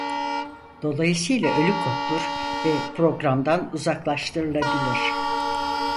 Dolayısıyla ölü koddur ve programdan uzaklaştırılabilir.